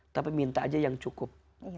tapi minta aja yang cukup